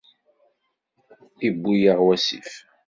Iwwi-aɣ wasif.